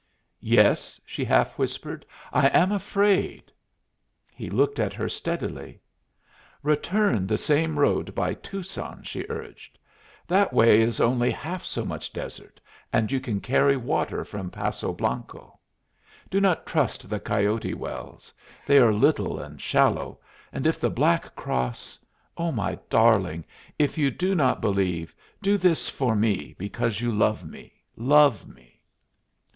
"Yes," she half whispered. "I am afraid." He looked at her steadily. "Return the same road by Tucson," she urged. "That way is only half so much desert, and you can carry water from Poso Blanco. Do not trust the Coyote Wells. They are little and shallow, and if the Black Cross Oh, my darling, if you do not believe, do this for me because you love me, love me!"